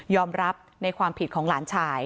รับในความผิดของหลานชาย